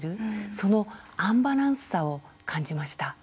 そのアンバランスさを感じました。